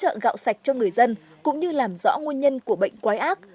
hỗ trợ gạo sạch cho người dân cũng như làm rõ nguyên nhân của bệnh quái ác